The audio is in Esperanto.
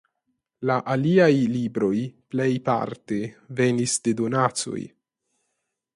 La aliaj libroj plejparte venis de donacoj.